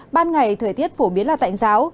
ban ngày thời tiết phổ biến là tạnh giáo